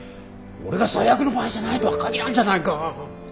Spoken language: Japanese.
俺が最悪の場合じゃないとは限らんじゃないか。